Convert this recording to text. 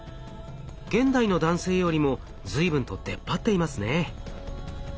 現代の男性よりも随分と出っ張っていますね。